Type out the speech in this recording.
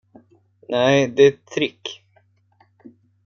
Nej, det är ett trick.